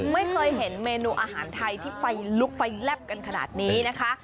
ไม่เคยเห็นเมนูอาหารไทยที่ไฟลุกไฟแลบกันขนาดนี้นะคะ